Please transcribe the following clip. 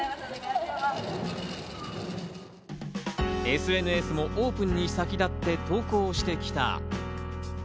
ＳＮＳもオープンに先立って投稿してきた。